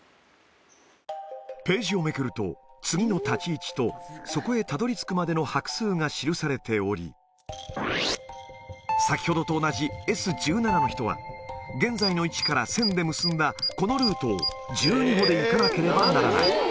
ページをめくると、次の立ち位置と、そこへたどりつくまでの拍数が記されており、先ほどと同じＳ１７の人は、現在の位置から線で結んだこのルートを、１２歩で行かなければならない。